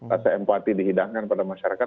rasa empati dihidangkan pada masyarakat